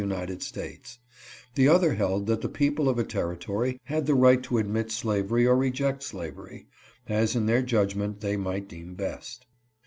United States ; the other held that the people of a terri tory had the right to admit slavery or reject slavery, as in their judgment they might deem best.